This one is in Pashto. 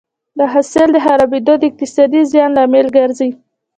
د حاصل خرابېدل د اقتصادي زیان لامل ګرځي.